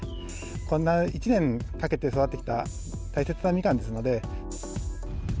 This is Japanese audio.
こんな１年かけて育ててきた大切なみかんですので。